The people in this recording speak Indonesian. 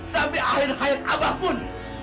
sampai akhir hayat abang pun